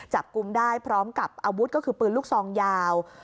จับกลุ่มได้พร้อมกับอาวุธก็คือปืนลูกซองยาว